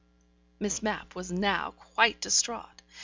Miss Mapp was now quite distraught.